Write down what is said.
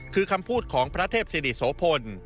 คือคำพูดของพระเทพศิริโสพล